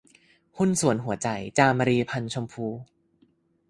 หุ้นส่วนหัวใจ - จามรี พรรณชมพู